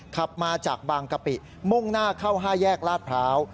ขับมาจากบางกะปิมุ่งหน้าเข้า๕แยกลาดพร้าว